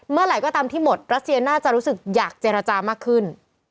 เมื่อไหร่ก็ตามที่หมดรัสเซียน่าจะรู้สึกอยากเจรจามากขึ้น